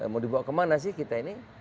mau dibawa kemana sih kita ini